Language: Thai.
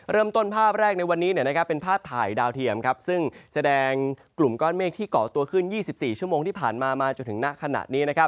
เริ่มต้นภาพแรกในวันนี้เนี่ยนะค๊ะเป็นภาพถ่ายดาวเทียมครับซึ่งแสดงกลุ่มก้อนเมฆที่ก่อตัวขึ้น๒๔ชั่วโมงที่ผ่านมามาจนถึงหน้าขณะนี้แหภนีนะอยังครับ